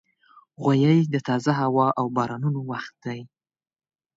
غویی د تازه هوا او بارانونو وخت دی.